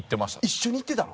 一緒に行ってたの？